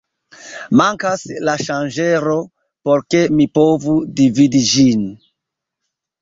Mankas la ŝanĝero por ke mi povu dividi ĝin.